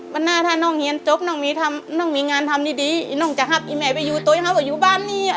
วันหน้าถ้าน้องเฮียนจบน้องมีงานทำดีอีน้องจะหับอีแม่ไปอยู่ตัวอย่างไรอยู่บ้านนี้